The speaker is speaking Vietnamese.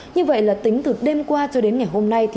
như vậy là tính từ đêm qua cho đến ngày hôm nay